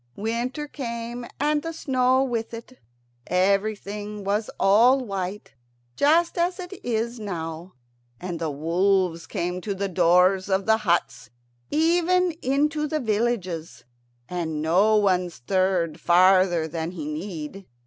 Winter came, and the snow with it. Everything was all white, just as it is now. And the wolves came to the doors of the huts, even into the villages, and no one stirred farther than he need.